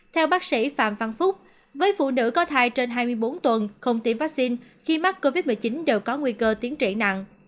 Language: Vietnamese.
theo bác sĩ phạm văn phúc với phụ nữ có thai trên hai mươi bốn tuần không tiêm vaccine khi mắc covid một mươi chín đều có nguy cơ tiến trị nặng